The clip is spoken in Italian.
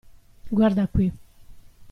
Guarda qui.